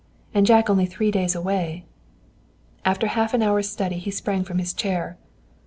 And Jack only three days away!" After a half hour's study he sprang from his chair.